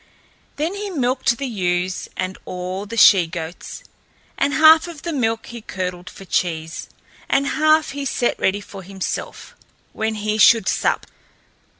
Then he milked the ewes and all the she goats, and half of the milk he curdled for cheese and half he set ready for himself when he should sup.